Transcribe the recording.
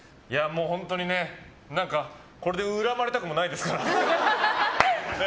本当にこれで恨まれたくもないですから。